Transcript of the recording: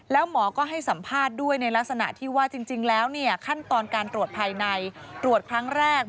แล้วหมอก็ให้สัมภาษณ์ด้วยในลักษณะที่ว่าจริงแล้วขั้นตอนการตรวจภายในตรวจครั้งแรก